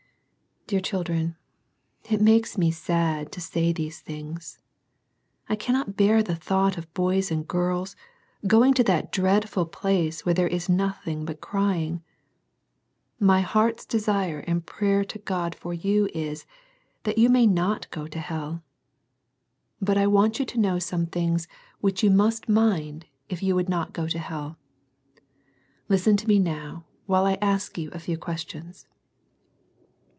Dear children, it makes me sad to say these things. I cannot bear the thought of boys and girls going to that dreadful place where there is nothing but crying. My heart's desire and prayer to God for you is, that you may not go to helL But L want ^ow \a\s:^<^^ 's^jciK. •^sss^'^ 70 SERMONS FOR CHILDREN. which you must, mind if you would not go to hell. Listen to me now while I ask you a few questions.